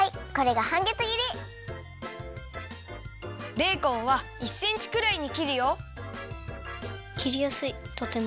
ベーコンは１センチくらいにきるよきりやすいとても。